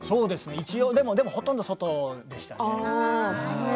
一応ね、でもほとんど外でしたね。